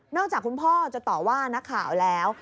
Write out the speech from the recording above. จากคุณพ่อจะต่อว่านักข่าวแล้ว